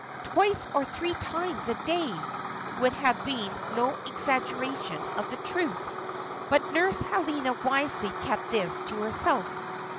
"Twice or three times a day" would have been no exaggeration of the truth. But Nurse Helena wisely kept this to herself.